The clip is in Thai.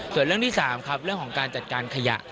ส่วนเรื่องที่๓ครับเรื่องของการจัดการขยะ